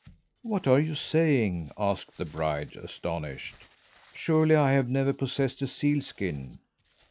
"'What are you saying?' asked the bride, astonished. 'Surely I have never possessed a seal skin!'